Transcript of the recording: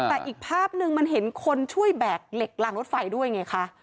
แต่อีกภาพนึงมันเห็นคนช่วยแบกเหล็กลางรถไฟด้วยไงคะ